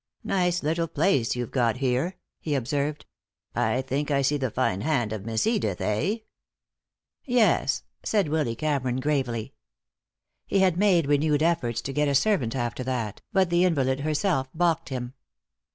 "Nice little place you've got here," he observed. "I think I see the fine hand of Miss Edith, eh?" "Yes," said Willy Cameron, gravely. He had made renewed efforts to get a servant after that, but the invalid herself balked him.